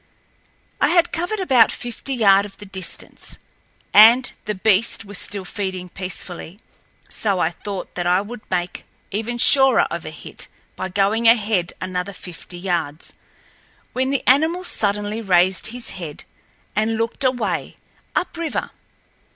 I had covered about fifty yards of the distance, and the beast was still feeding peacefully, so I thought that I would make even surer of a hit by going ahead another fifty yards, when the animal suddenly raised his head and looked away, up river.